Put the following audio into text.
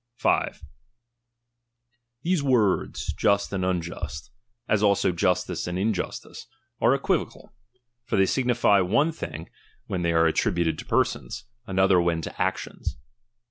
'i™ 5. These words, jast and unjust, as also justice mj and injustice, are equivocal ; for they signify one thing when they are attributed to persons, another when to actions.